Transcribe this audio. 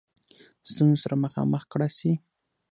ستونزو سره مخامخ کړه سي.